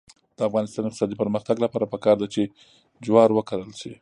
د افغانستان د اقتصادي پرمختګ لپاره پکار ده چې جوار وکرل شي.